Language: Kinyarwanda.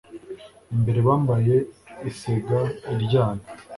imbere bambaye isega iryana